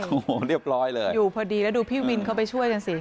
โอ้โหเรียบร้อยเลยอยู่พอดีแล้วดูพี่วินเขาไปช่วยกันสิ